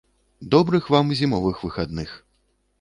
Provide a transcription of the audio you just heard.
Добрых вам зімовых выхадных.